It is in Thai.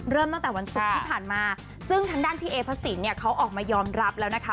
ตั้งแต่วันศุกร์ที่ผ่านมาซึ่งทางด้านพี่เอพระสินเนี่ยเขาออกมายอมรับแล้วนะคะ